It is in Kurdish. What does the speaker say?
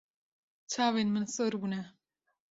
Çavên min sor bûne.